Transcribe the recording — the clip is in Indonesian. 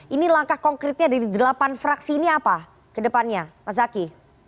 ini langkah konkretnya dari delapan fraksi ini apa ke depannya mas zaky